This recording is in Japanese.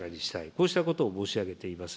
こうしたことを申し上げています。